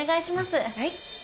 はい。